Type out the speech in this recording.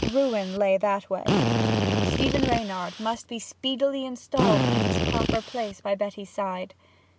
Ruin lay that way. Stephen Reynard must be speedily installed in his proper place by Betty's side.